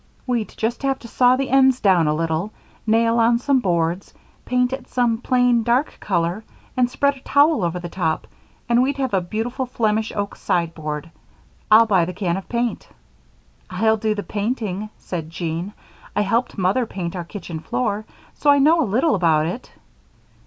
We'd just have to saw the ends down a little, nail on some boards, paint it some plain, dark color, and spread a towel over the top, and we'd have a beautiful Flemish oak sideboard. I'll buy the can of paint." "I'll do the painting," said Jean. "I helped Mother paint our kitchen floor, so I know a little about it."